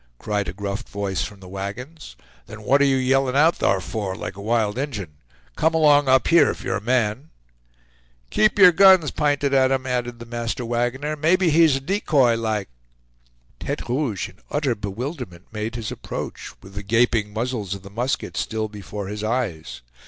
cried a gruff voice from the wagons; "then what are you yelling out thar for, like a wild Injun. Come along up here if you're a man." "Keep your guns p'inted at him," added the master wagoner, "maybe he's a decoy, like." Tete Rouge in utter bewilderment made his approach, with the gaping muzzles of the muskets still before his eyes.